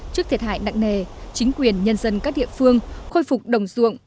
trước thiệt hại nặng nề chính quyền nhân dân các địa phương khôi phục đồng ruộng